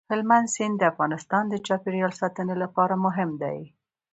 هلمند سیند د افغانستان د چاپیریال ساتنې لپاره مهم دی.